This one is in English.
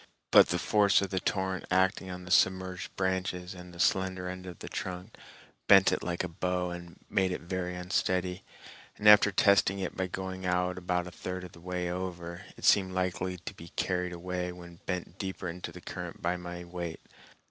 But the force of the torrent, acting on the submerged branches and the slender end of the trunk, bent it like a bow and made it very unsteady, and after testing it by going out about a third of the way over, it seemed likely to be carried away when bent deeper into the current by my weight.